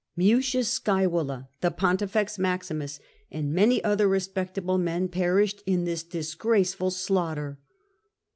Mucius Scmvola, the Pontifex Maximus, and many other respectable men, perished in this disgraceful slaughter.